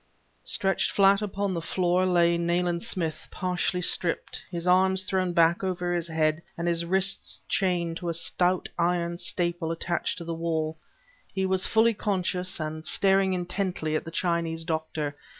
Stretched flat upon the floor lay Nayland Smith, partially stripped, his arms thrown back over his head and his wrists chained to a stout iron staple attached to the wall; he was fully conscious and staring intently at the Chinese doctor.